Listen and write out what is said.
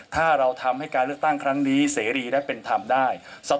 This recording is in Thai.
ถ้าเราทำให้การเลือกตั้งครั้งนี้เสรีนั้นเป็นธรรมได้